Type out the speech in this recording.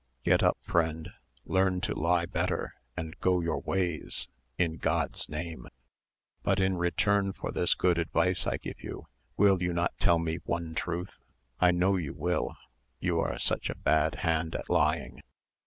Get up, friend, learn to lie better, and go your ways, in God's name. But in return for this good advice I give you, will you not tell me one truth? I know you will, you are such a bad hand at lying.